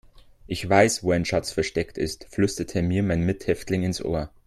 Ich weiß, wo ein Schatz versteckt ist, flüsterte mir mein Mithäftling ins Ohr.